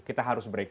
kita harus break